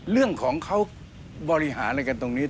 เรื่องของเขาบริหารอะไรกันตรงนี้